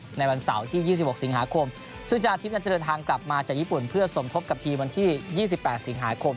ก่อนในวันเสาร์ที่ยี่สิบหกสิบหาคมที่อาจจะเจอทางกลับมาจากญี่ปุ่นพื้นสมทบกับทีมวันที่ยี่สิบแปดสิบหาคม